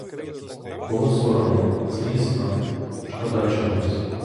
Було соромно, злісно, шкода чогось.